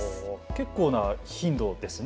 結構な頻度ですね。